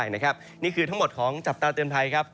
นี่คือทั้งหมดของจับตาเตือนภัยครับ